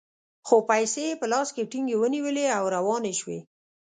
خو پیسې یې په لاس کې ټینګې ونیولې او روانې شوې.